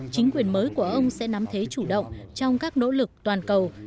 chính quyền mới của ông sẽ nắm thế chủ động trong các nỗ lực toàn cầu